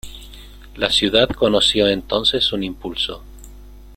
La ciudad conoció entonces un impulso.